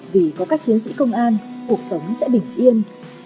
vì có các chiến sĩ công an cuộc sống sẽ bình yên